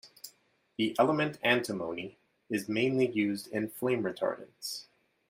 The element antimony is mainly used in flame retardants.